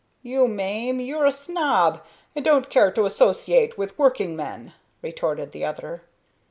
"You mane you're a snob, and don't care to associate with working men," retorted the other.